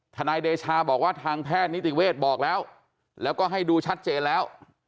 นายเดชาบอกว่าทางแพทย์นิติเวศบอกแล้วแล้วก็ให้ดูชัดเจนแล้ว